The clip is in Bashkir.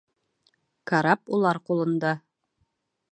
Карап улар ҡулында.